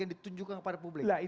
yang ditunjukkan kepada publik